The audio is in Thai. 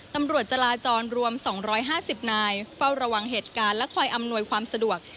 ตำรวจจราจรรวม๒๕๐นายเฝ้าระวังเหตุการณ์และคอยอำนวยความสะดวก